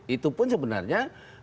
itu pun sebenarnya